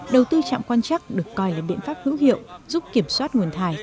đầu tư trạm quan chắc được coi là biện pháp hữu hiệu giúp kiểm soát nguồn thải